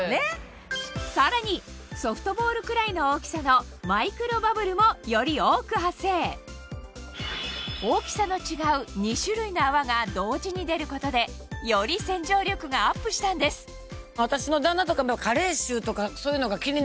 さらにソフトボールくらいの大きさのマイクロバブルもより多く発生大きさの違う２種類の泡が同時に出ることでより臭いでお悩みの方にも人気なんですね。